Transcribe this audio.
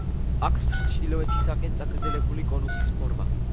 აქვს ჩრდილოეთისაკენ წაგრძელებული კონუსის ფორმა.